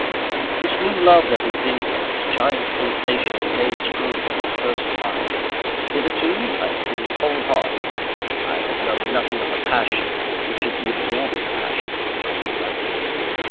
This new love that was in me; this giant sensation of a day's growth, was first love. Hitherto, I had been heart whole. I had known nothing of the passion, which is the absorbing passion of humanity.